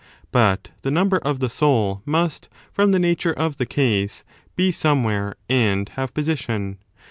But the number of the soul must, from the nature of the case, be somewhere and have position.